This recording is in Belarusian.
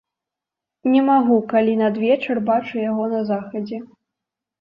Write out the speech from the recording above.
Не магу, калі надвечар бачу яго на захадзе.